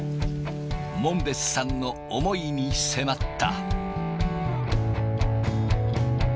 門別さんの思いに迫った。